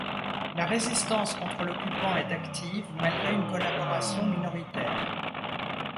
La résistance contre l'occupant est active, malgré une collaboration minoritaire.